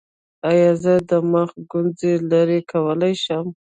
ایا زه د مخ ګونځې لرې کولی شم؟